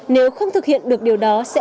nếu không thực hiện được điều đó sẽ